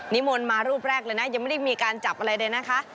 มนต์มารูปแรกเลยนะยังไม่ได้มีการจับอะไรเลยนะคะ